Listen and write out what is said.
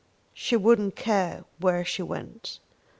She wouldn't care where she went.